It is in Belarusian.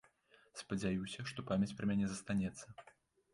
Спадзяюся, што памяць пра мяне застанецца.